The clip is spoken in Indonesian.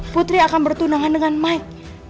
putri akan bertunangan dengan mike